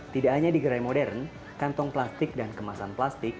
tidak hanya di gerai modern kantong plastik dan kemasan plastik